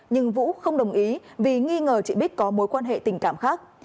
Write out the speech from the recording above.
nhưng vũ không đồng ý vì nghi ngờ chị bích có mối quan hệ tình cảm khác